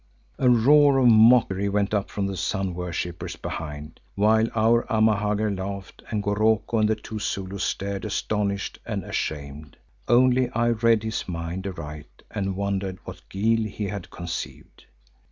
A roar of mockery went up from the sun worshippers behind, while our Amahagger laughed and Goroko and the two Zulus stared astonished and ashamed. Only I read his mind aright and wondered what guile he had conceived.